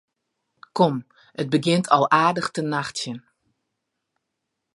Kom, it begjint al aardich te nachtsjen.